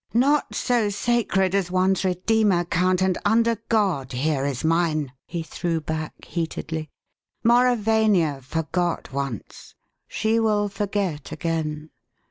"Not so sacred as one's redeemer, Count, and, under God, here is mine!" he threw back, heatedly. "Mauravania forgot once; she will forget again.